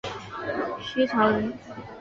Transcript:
徐潮人。